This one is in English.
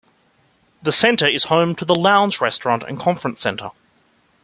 The centre is home to "The Lounge Restaurant and Conference Centre".